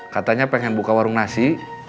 katanya pengen buka warung nasi